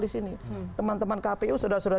disini teman teman kpu sudah sudah